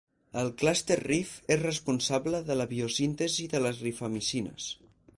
El clúster "rif" és responsable de la biosíntesi de les rifamicines.